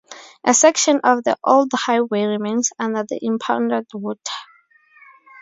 A section of the old highway remains under the impounded water.